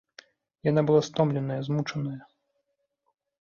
Яна была стомленая, змучаная.